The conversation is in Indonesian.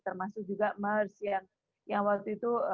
termasuk juga mers yang waktu itu